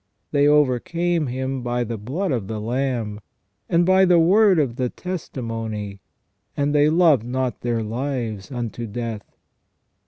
They overcame him by the blood of the Lamb, and by the word of the testimony, and they loved not their lives unto death."